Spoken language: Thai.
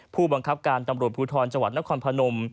ผู้บังคับการตำรวจภูทรจังหวัดนครพนม